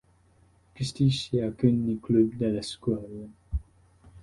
Gestisce alcuni club della scuola.